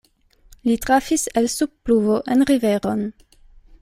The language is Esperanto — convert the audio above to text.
Li trafis el sub pluvo en riveron.